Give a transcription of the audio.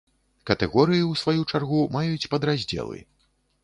Катэгорыі, у сваю чаргу, маюць падраздзелы.